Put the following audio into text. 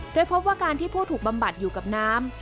โดยพบว่าการที่ผู้ถูกบำบัดอยู่กับน้ำ